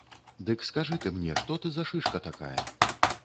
Дык скажы ты мне, што ты за шышка гэтакая?